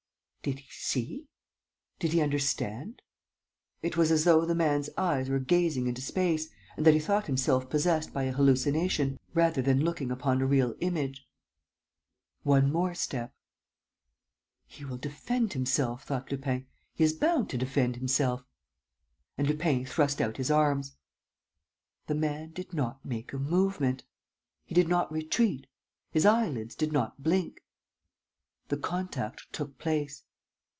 Did he see? Did he understand? It was as though the man's eyes were gazing into space and that he thought himself possessed by an hallucination, rather than looking upon a real image. One more step. ... "He will defend himself," thought Lupin, "he is bound to defend himself." And Lupin thrust out his arms. The man did not make a movement. He did not retreat; his eyelids did not blink. The contact took place.